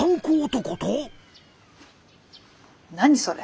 何それ？